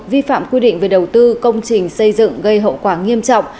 vi phạm quy định về đầu tư công trình xây dựng gây hậu quả nghiêm trọng